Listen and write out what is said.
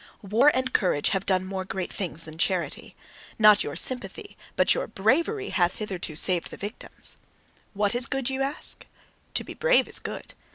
War and courage have done more great things than charity. Not your sympathy, but your bravery hath hitherto saved the victims. "What is good?" ye ask. To be brave is good.